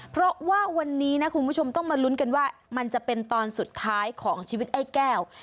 เพราะว่าวันนี้นะคุณผู้ชมต้องมาลุ้นกันว่ามันจะเป็นตอนสุดท้ายของชีวิตไอ้แก้ว